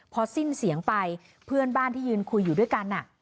พอสิ้นเสียงไปเพื่อนบ้านที่ยืนคุยอยู่ด้วยกัน